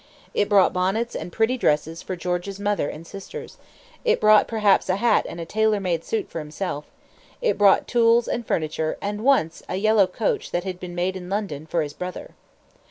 It brought bonnets and pretty dresses for George's mother and sisters; it brought perhaps a hat and a tailor made suit for himself; it brought tools and furniture, and once a yellow coach that had been made in London, for his brother.